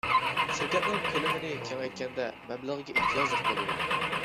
شىركەتنىڭ كۆلىمىنى كېڭەيتكەندە، مەبلەغگە ئېھتىياجلىق بولىدۇ.